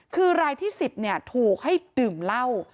คือรายที่๑๐ถูกให้ดื่มเหล้า